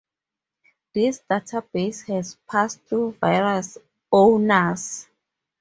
This database has passed through various owners.